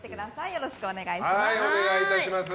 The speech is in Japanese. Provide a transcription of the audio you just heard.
よろしくお願いします。